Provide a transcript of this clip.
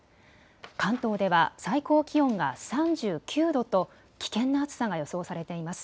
関東では最高気温が３９度と危険な暑さが予想されています。